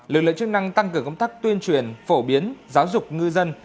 lực lượng chức năng tăng cường công tác tuyên truyền phổ biến giáo dục ngư dân